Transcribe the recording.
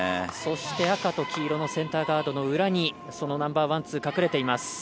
そして、赤と黄色のセンターガードの裏にそのナンバーワン、ツー隠れています。